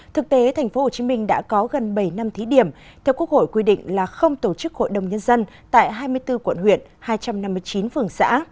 thực tế tp hcm đã có gần bảy năm thí điểm theo quốc hội quy định là không tổ chức hội đồng nhân dân tại hai mươi bốn quận huyện hai trăm năm mươi chín phường xã